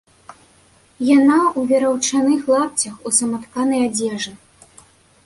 Яна ў вераўчаных лапцях, у саматканай адзежы.